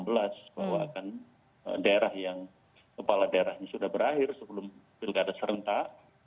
bahwa akan daerah yang kepala daerahnya sudah berakhir sebelum pilkada serentak